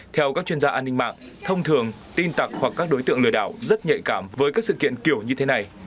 theo các chuyên gia an ninh mạng thông thường tin tặc hoặc các đối tượng lừa đảo rất nhạy cảm với các sự kiện kiểu như thế này